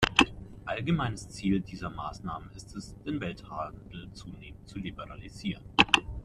Allgemeines Ziel dieser Maßnahmen ist es, den Welthandel zunehmend zu liberalisieren.